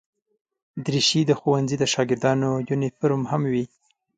دریشي د ښوونځي د شاګردانو یونیفورم هم وي.